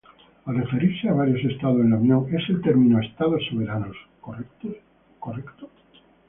¿Al referirse a varios Estados en la unión es el término “estados soberanos” correctos?